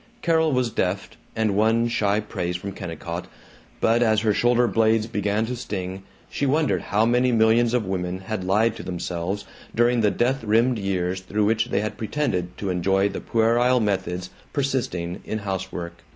Carol was deft, and won shy praise from Kennicott, but as her shoulder blades began to sting, she wondered how many millions of women had lied to themselves during the death rimmed years through which they had pretended to enjoy the puerile methods persisting in housework.